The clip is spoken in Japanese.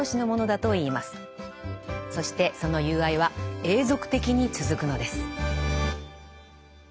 そしてその友愛は永続的に続くのです。